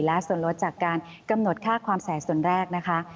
และส่วนลดจากการกำหนดค่าความแสนส่วนแรกนะคะ